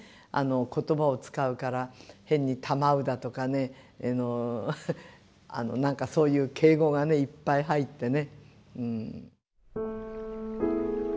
言葉を使うから変に「たまう」だとかねなんかそういう敬語がねいっぱい入ってね。